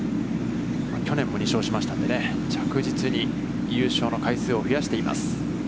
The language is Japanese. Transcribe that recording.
去年も２勝しましたのでね、着実に優勝の回数をふやしています。